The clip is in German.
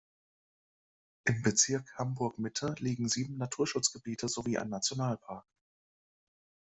Im Bezirk Hamburg-Mitte liegen sieben Naturschutzgebiete sowie ein Nationalpark.